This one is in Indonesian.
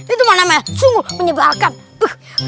ini tuh mana mana sungguh menyebalkan